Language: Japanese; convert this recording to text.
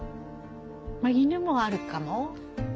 まあ犬もあるかも？